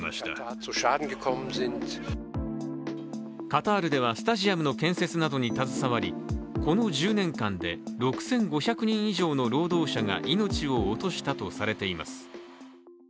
カタールではスタジアムの建設などに携わりこの１０年間で６５００人以上の労働者が命を落としたとされています。